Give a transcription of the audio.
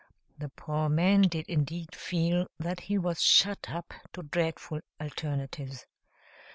The poor man did indeed feel that he was shut up to dreadful alternatives.